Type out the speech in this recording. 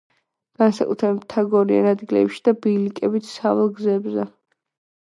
განსაკუთრებით მთაგორიან ადგილებში და ბილიკებით სავალ გზებზე.